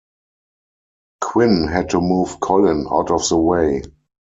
Quinn had to move Colin out of the way.